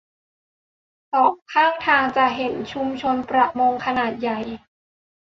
สองข้างทางจะเห็นชุมชนประมงขนาดใหญ่